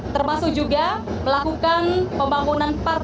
termasuk juga melakukan pembangunan part